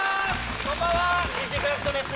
こんばんはＴＣクラクションです